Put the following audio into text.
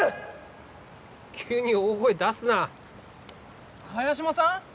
急に大声出すな萱島さん？